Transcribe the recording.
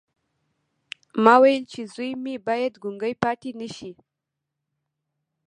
ما ویل چې زوی مې باید ګونګی پاتې نه شي